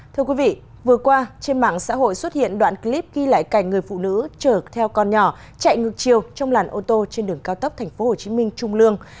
thưa quý vị vừa qua trên mạng xã hội xuất hiện đoạn clip ghi lại cảnh người phụ nữ chở theo con nhỏ chạy ngược chiều trong làn ô tô trên đường cao tốc tp hcm trung lương